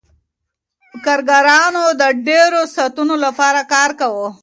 کارګرانو د ډیرو ساعتونو لپاره کار کاوه.